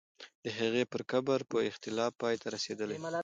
د هغې پر قبر به اختلاف پای ته رسېدلی وو.